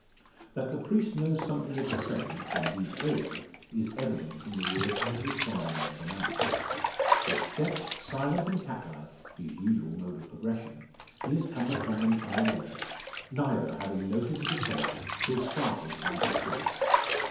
That the priest knows something of the same, indeed all, is evident from the word he has respondingly pronounced. With step, silent and cat like his usual mode of progression he has come upon them unawares, neither having note of his approach till startled by his voice.